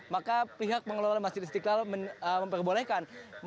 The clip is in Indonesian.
maka pihak pengelola masjid istiqlal memperbolehkan